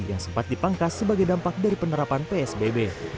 yang sempat dipangkas sebagai dampak dari penerapan psbb